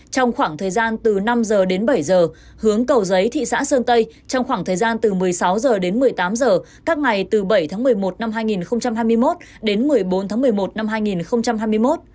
trong khoảng thời gian từ năm h đến bảy giờ hướng cầu giấy thị xã sơn tây trong khoảng thời gian từ một mươi sáu h đến một mươi tám h các ngày từ bảy tháng một mươi một năm hai nghìn hai mươi một đến một mươi bốn tháng một mươi một năm hai nghìn hai mươi một